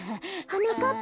はなかっ